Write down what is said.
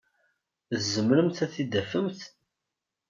Tzemremt ad t-id-tafemt?